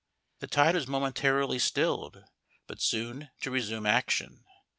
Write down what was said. The tide was momentarily stilled, but soon to resume action.